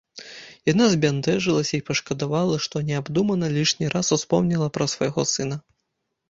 Яна збянтэжылася і пашкадавала, што неабдумана лішні раз успомніла пра свайго сына.